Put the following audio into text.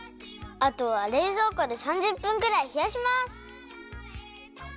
あとはれいぞうこで３０分くらいひやします。